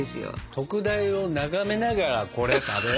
特大を眺めながらこれを食べよ。